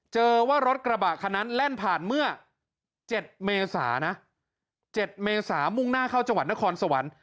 เจอว่ารถกระบะคันนั้นแล่นผ่านเมื่อ๗เมษานะ๗เมษามุ่งหน้าเข้าจังหวัดนครสวรรค์